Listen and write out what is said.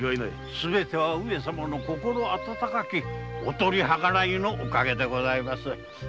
すべては上様の心温かきお取り計らいのお陰でございます。